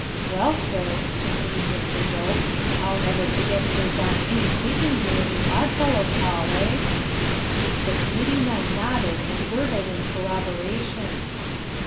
"Well, sir," continued Mr. Dope, "I'll never forget Sir John A. speaking here in the Odd Fellows' Hall, eh?" The Committee men nodded and gurgled in corroboration.